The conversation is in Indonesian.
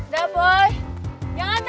jangan tambah krepa